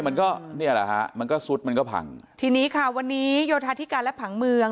มันก็เนี่ยแหละฮะมันก็ซุดมันก็พังทีนี้ค่ะวันนี้โยธาธิการและผังเมือง